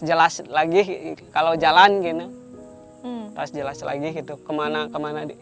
jelas lagi kalau jalan kemana kemana